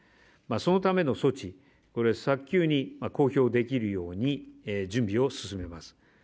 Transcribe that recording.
そのための措置、これは早急に公表できるように準備を進めます。